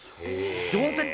４セット？